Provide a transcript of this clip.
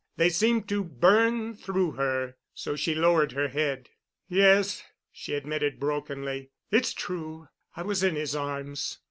They seemed to burn through her, so she lowered her head. "Yes," she admitted brokenly, "it's true—I was in his arms."